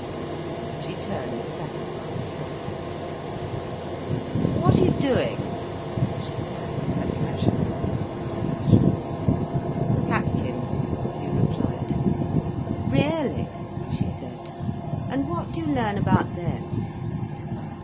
She turned satisfied to Birkin. "What are you doing?" she sang, in her casual, inquisitive fashion. "Catkins," he replied. "Really!" she said. "And what do you learn about them?"